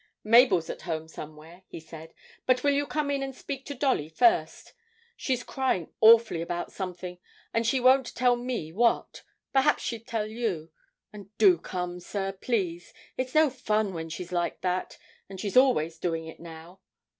'Mabel's at home, somewhere,' he said, 'but will you come in and speak to Dolly first? She's crying awfully about something, and she won't tell me what. Perhaps she'd tell you. And do come, sir, please; it's no fun when she's like that, and she's always doing it now!'